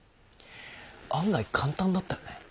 案外簡単だったよね。